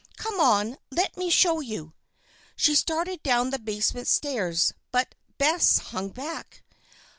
"Come on! Let me show you." She started down the basement stairs, but Bess hung back.